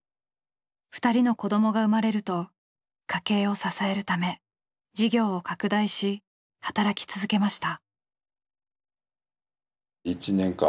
２人の子どもが生まれると家計を支えるため事業を拡大し働き続けました。